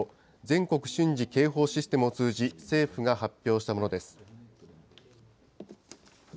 ・全国瞬時警報システムを通じ、政府が発表したものです。